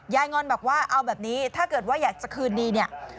งอนบอกว่าเอาแบบนี้ถ้าเกิดว่าอยากจะคืนดีเนี่ย